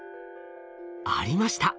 ありました。